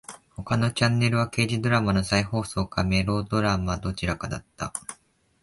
他のチャンネルは刑事ドラマの再放送かメロドラマ。どちらかだった。